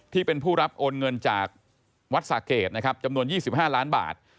ที่เป็นผู้รับโอนเงินจากวัดสะเกดนะครับจำนวน๒๕ล้านบาท